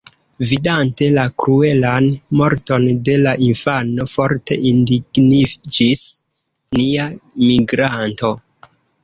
Vidante la kruelan morton de la infano forte indigniĝis nia migranto.